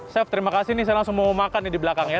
chef terima kasih nih saya langsung mau makan nih di belakang ya